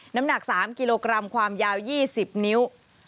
น้ำหนัก๓กิโลกรัมความยาว๒๐นิ้ว